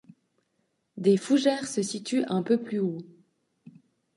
Des fougères se situent un peu plus haut.